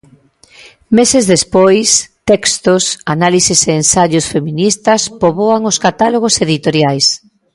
Meses despois, textos, análises e ensaios feministas poboan os catálogos editoriais.